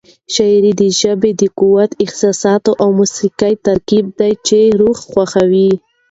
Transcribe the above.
شاعري د ژبې د قوت، احساس او موسيقۍ ترکیب دی چې روح خوښوي.